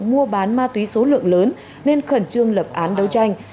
mua bán ma túy số lượng lớn nên khẩn trương lập án đấu tranh